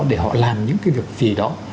để họ làm những cái việc gì đó